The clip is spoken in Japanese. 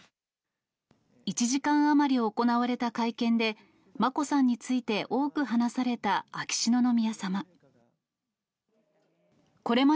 １時間余り行われた会見で、眞子さんについて多く話された秋篠宮さま。